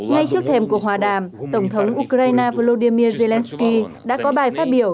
ngay trước thềm cuộc hòa đàm tổng thống ukraine vladimir zelenskyy đã có bài phát biểu